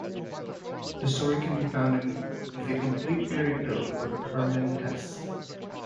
The story can be found in "The Complete Fairy Tales of Hermann Hesse".